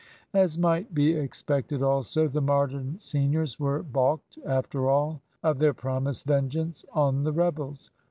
As might be expected also, the Modern seniors were baulked, after all, of their promised vengeance on the rebels.